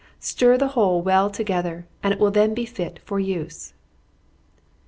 Stir the whole well together, and it will then be fit for use.